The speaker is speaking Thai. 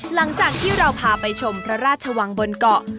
หลังจากที่เราพาไปชมพระราชวังบนเกาะ